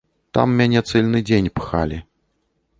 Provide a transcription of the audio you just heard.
Там мяне цэльны дзень пхалі.